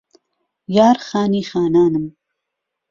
یار خانی خانانم